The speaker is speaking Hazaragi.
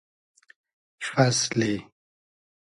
فئسلی